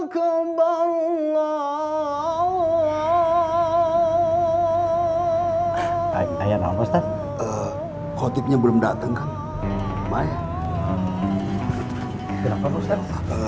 kenapa mas teh